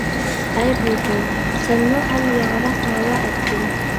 ئەي بۇلبۇل، سەنمۇ ھەم ياڭراق ناۋا ئەتكىن.